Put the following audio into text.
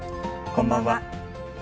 こんばんは。